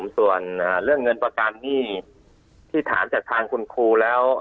ส่วนเรื่องเงินประกันหนี้ที่ถามจากทางคุณครูแล้ว